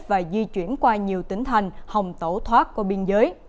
và di chuyển qua nhiều tỉnh thành hòng tẩu thoát qua biên giới